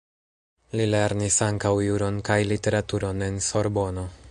Li lernis ankaŭ juron kaj literaturon en Sorbono.